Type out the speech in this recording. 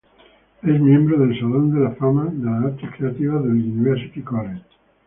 Es miembro del salón de la fama de las artes creativas del University College.